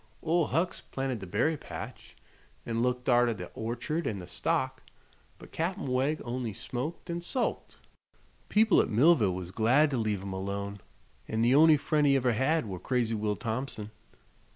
Ol' Hucks planted the berry patch an' looked arter the orchard an' the stock; but Cap'n Wegg on'y smoked an' sulked. People at Millville was glad to leave him alone, an' the on'y friend he ever had were crazy Will Thompson."